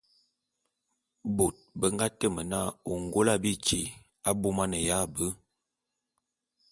Bôt be nga teme na Ôngôla bityé abômaneya be.